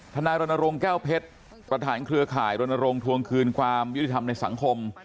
นายรณรงค์แก้วเพชรประธานเครือข่ายรณรงค์ทวงคืนความยุติธรรมในสังคม